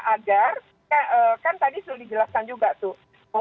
agar kan tadi sudah dijelaskan juga tuh